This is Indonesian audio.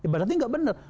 berarti tidak benar